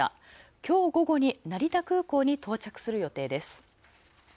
今日午後に成田空港に到着する予定です。